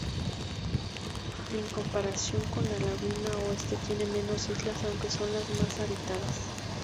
En comparación con la laguna oeste tiene menos islas, aunque son las más habitadas.